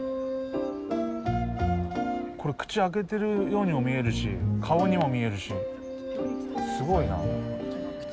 これ口開けてるようにも見えるし顔にも見えるしすごいな。